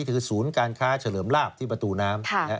คือศูนย์การค้าเฉลิมลาบที่ประตูน้ำ